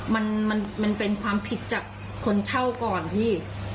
มันมันเป็นความผิดจากคนเช่าก่อนพี่